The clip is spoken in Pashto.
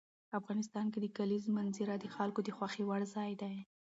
افغانستان کې د کلیزو منظره د خلکو د خوښې وړ ځای دی.